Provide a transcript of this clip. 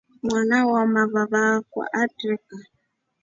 Mwana wamavava akwa atreka.